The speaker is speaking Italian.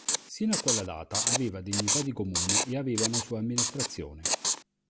Sino a quella data aveva dignità di comune e aveva una sua amministrazione.